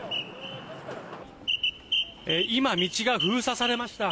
今、道が封鎖されました。